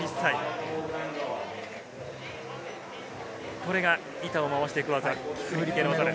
これが板を回して行く技。